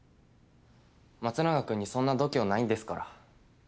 松永君にそんな度胸ないんですから。